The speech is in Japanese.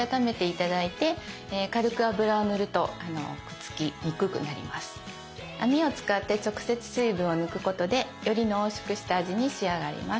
くっつきやすいんですけれども網を使って直接水分を抜くことでより濃縮した味に仕上がります。